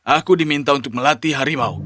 aku diminta untuk melatih harimau